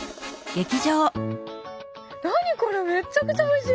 何これめっちゃくちゃおいしい！